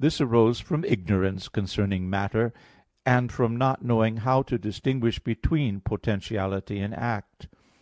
This arose from ignorance concerning matter, and from not knowing how to distinguish between potentiality and act.